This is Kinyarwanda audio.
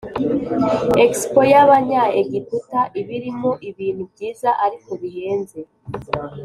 expo yabanya egiputa ibirimo ibintu byiza ariko bihenze